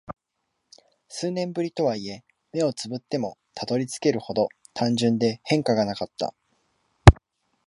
数年ぶりとはいえ、目を瞑ってもたどり着けるほど単純で変化がなかった。